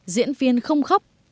diễn viên không khóc